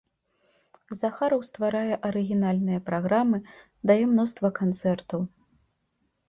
Захараў стварае арыгінальныя праграмы, дае мноства канцэртаў.